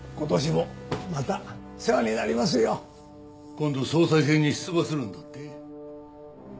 今度総裁選に出馬するんだって？